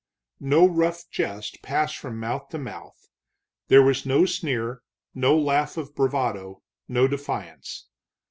No rough jest passed from mouth to mouth; there was no sneer, no laugh of bravado, no defiance.